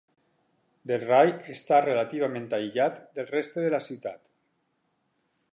Delray està relativament aïllat del reste de la ciutat.